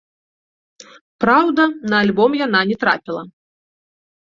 Праўда, на альбом яна не трапіла.